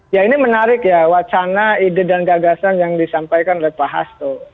ya ini menarik ya wacana ide dan gagasan yang disampaikan oleh pak hasto